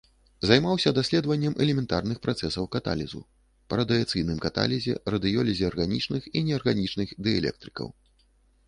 Займаўся даследаваннем элементарных працэсаў каталізу, па радыяцыйным каталізе, радыёлізе арганічных і неарганічных дыэлектрыкаў.